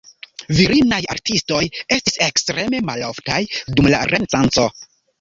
Virinaj artistoj estis ekstreme maloftaj dum la Renesanco.